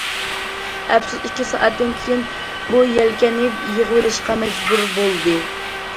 ئەپسۇس، ئىككى سائەتتىن كېيىن بۇ يەلكەننى يىغىۋېلىشقا مەجبۇر بولدى.